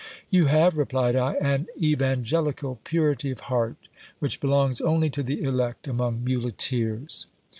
You have, replied I, an evangelical purity of heart which belongs only to the elect among muleteers.